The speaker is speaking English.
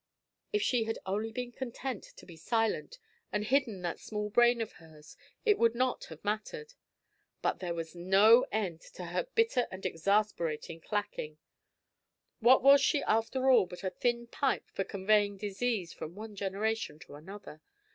If she had only been content to be silent and hidden that small brain of hers, it would not have mattered; but there was no end to her bitter and exasperating clacking. What was she after all but a thin pipe for conveying disease from one generation to another?